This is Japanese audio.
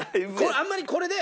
あんまりこれで。